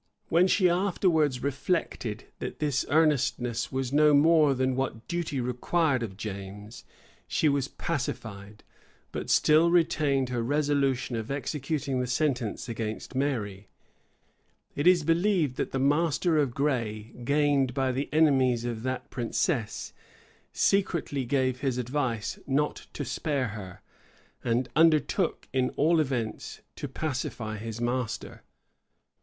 When she afterwards reflected, that this earnestness was no more than what duty required of James, she was pacified; but still retained her resolution of executing the sentence against Mary.[] It is believed, that the master of Gray, gained by the enemies of that princess, secretly gave his advice not to spare her, and undertook, in all events, to pacify his master. * Spotswood, p.